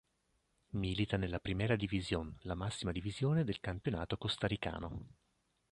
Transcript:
Milita nella Primera División, la massima divisione del campionato costaricano.